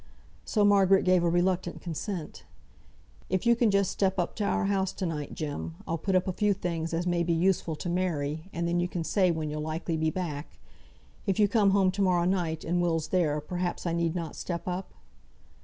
So Margaret gave a reluctant consent. "If you can just step up to our house to night, Jem, I'll put up a few things as may be useful to Mary, and then you can say when you'll likely be back. If you come home to morrow night, and Will's there, perhaps I need not step up?"